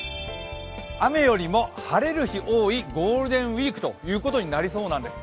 雨よりも晴れる日多いゴールデンウイークということになりそうなんです。